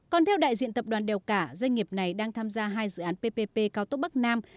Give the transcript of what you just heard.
còn theo đại diện tập đoàn đèo cả doanh nghiệp này đang tham gia hai dự án ppp cao tốc bắc nam